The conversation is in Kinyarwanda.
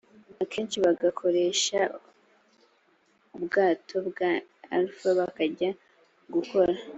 akenshi bagakoresha ubwato bwa arnulf bakajya gukora